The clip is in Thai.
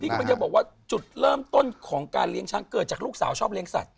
กำลังจะบอกว่าจุดเริ่มต้นของการเลี้ยงช้างเกิดจากลูกสาวชอบเลี้ยสัตว